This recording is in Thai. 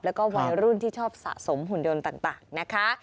และวัยรุ่นที่ชอบสะสมหุ่นยนต์ต่าง